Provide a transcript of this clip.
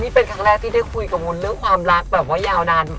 นี่เป็นครั้งแรกที่ได้คุยกับมุนเรื่องความรักแบบว่ายาวนาน